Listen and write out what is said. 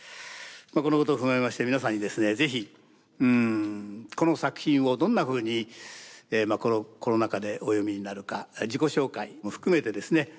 このことを踏まえまして皆さんにですね是非この作品をどんなふうにこのコロナ禍でお読みになるか自己紹介も含めてですね